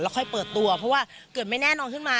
ค่อยเปิดตัวเพราะว่าเกิดไม่แน่นอนขึ้นมา